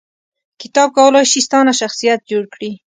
کتاب کولای شي ستا نه شخصیت جوړ کړي